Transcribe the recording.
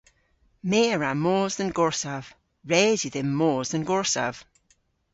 My a wra mos dhe'n gorsav. Res yw dhymm mos dhe'n gorsav.